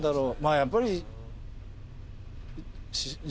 やっぱり。